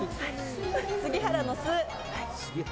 杉原の「ス」。